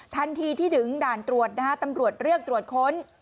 ทันทีที่ถึงด่านตรวจนะฮะตำรวจเรียกตรวจค้น